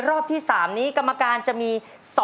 ร้องไห้